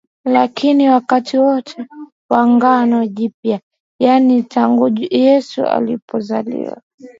Lakini wakati wote wa Agano Jipya yaani tangu Yesu alipozaliwa